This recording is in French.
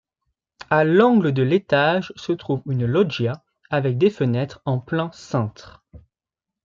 À l'angle de l'étage se trouve une loggia avec des fenêtres en plein cintre.